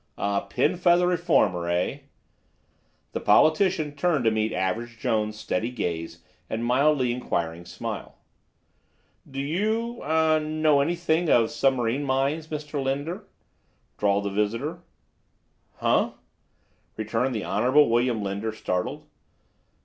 "A pin feather reformer, eh?" The politician turned to meet Average Jones' steady gaze and mildly inquiring smile. "Do you—er—know anything of submarine mines, Mr. Linder?" drawled the visitor. "Huh?" returned the Honorable William Linder, startled.